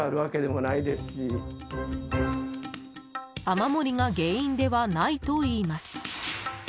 雨漏りが原因ではないといいます。